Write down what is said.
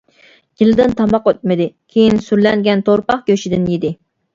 گېلىدىن تاماق ئۆتمىدى، كېيىن سۈرلەنگەن تورپاق گۆشىدىن يېدى.